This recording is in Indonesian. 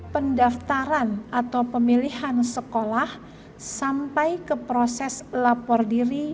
pendaftaran atau pemilihan sekolah sampai ke proses lapor diri